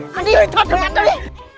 mày đi mày dọn mày ăn tao đi